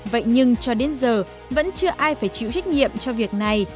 vậy nhưng cho đến giờ vẫn chưa ai phải chịu trách nhiệm cho việc này